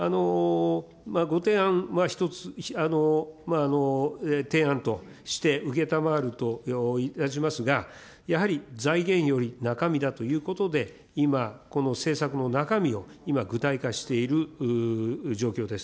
ご提案は一つ、提案として承るといたしますが、やはり財源より中身だということで、今、この政策の中身を今、具体化している状況です。